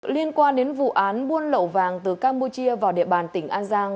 liên quan đến vụ án buôn lậu vàng từ campuchia vào địa bàn tỉnh an giang